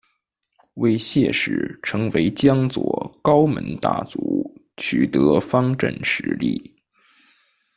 为谢氏成为江左高门大族取得方镇实力。